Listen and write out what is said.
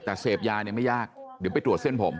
แต่เสพยาเนี่ยไม่ยากเดี๋ยวไปตรวจเส้นผม